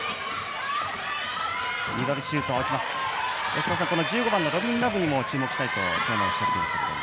吉田さん、１５番のロビン・ラブに注目したいとおっしゃっていましたけれども。